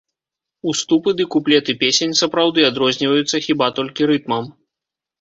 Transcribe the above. Уступы ды куплеты песень сапраўды адрозніваюцца хіба толькі рытмам.